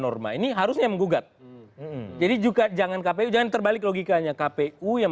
norma yang mem bricks harusnya menggugat jadinya juga jangan kpu jalan terbalik logikanya kpu yang